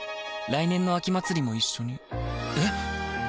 来年の秋祭も一緒にえ